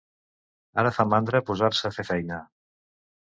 Ara fa mandra posar-se a fer feina.